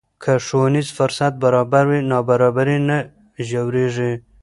که ښوونیز فرصت برابر وي، نابرابري نه ژورېږي.